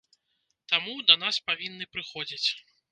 Таму, да нас павінны прыходзіць.